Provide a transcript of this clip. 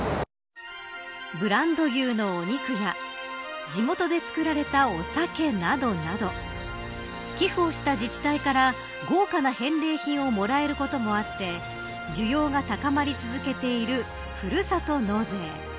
ブランド牛のお肉や地元で造られたお酒などなど寄付をした自治体から豪華な返礼品をもらえることもあって需要が高まり続けているふるさと納税。